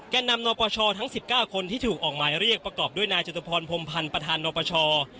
นำนปชทั้ง๑๙คนที่ถูกออกหมายเรียกประกอบด้วยนายจตุพรพรมพันธ์ประธานนปช